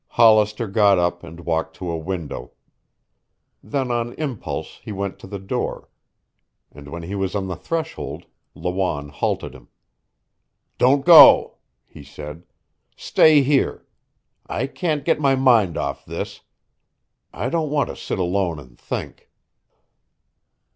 Hollister got up and walked to a window. Then on impulse he went to the door. And when he was on the threshold, Lawanne halted him. "Don't go," he said. "Stay here. I can't get my mind off this. I don't want to sit alone and think."